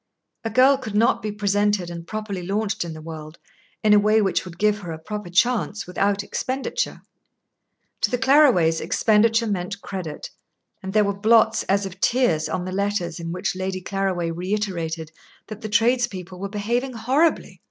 A girl could not be presented and properly launched in the world, in a way which would give her a proper chance, without expenditure. To the Claraways expenditure meant credit, and there were blots as of tears on the letters in which Lady Claraway reiterated that the tradespeople were behaving horribly.